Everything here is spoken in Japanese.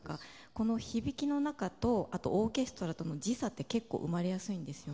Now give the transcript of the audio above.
この響きの中だとオーケストラとの時差って結構、生まれやすいんです。